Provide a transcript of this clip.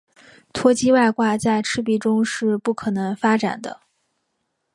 脱机外挂在赤壁中是不可能发展的。